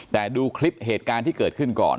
แต่ดูคลิปเหตุการณ์ที่เกิดขึ้นก่อน